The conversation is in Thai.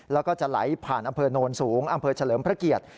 แล้วก็จะไหลผ่านอำเภอโนนสูงอำเภอเฉลิมพระเกียรติ